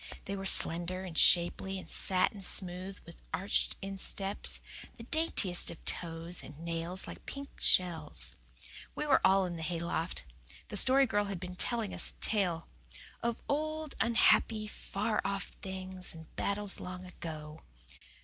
They were slender and shapely and satin smooth with arched insteps, the daintiest of toes, and nails like pink shells. We were all in the hayloft. The Story Girl had been telling us a tale "Of old, unhappy, far off things, And battles long ago."